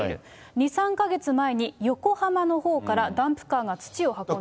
２、３か月前に横浜のほうから、ダンプカーが土を運んできた。